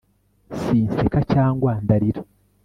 Sinseka cyangwa ndarira